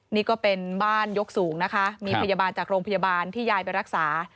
นี่ก็เป็นบ้านยกสูงนะคะมีพยาบาลจากโรงพยาบาลที่ยายไปรักษา